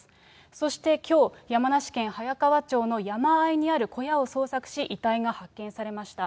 そしてきょう、山梨県早川町の山あいにある小屋を捜索し、遺体が発見されました。